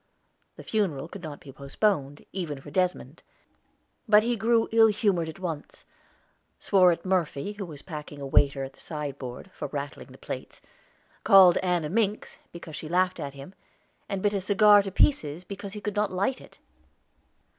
The funeral could not be postponed, even for Desmond; but he grew ill humored at once, swore at Murphy, who was packing a waiter at the sideboard, for rattling the plates; called Ann a minx, because she laughed at him; and bit a cigar to pieces because he could not light it.